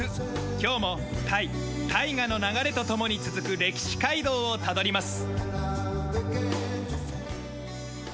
今日もタイ大河の流れと共に続く歴史街道をたどります。